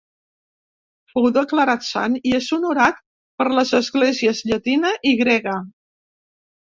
Fou declarat sant i és honorat per les esglésies llatina i grega.